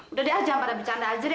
udah deh jangan pada bercanda aja deh